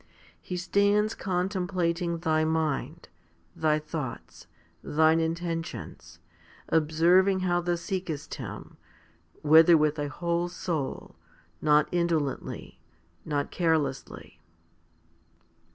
He stands contemplating thy mind, thy thoughts, thy inten tions, observing how thou seekest Him, whether with thy whole soul, not indolently, not carelessly.